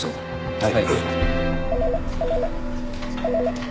はい。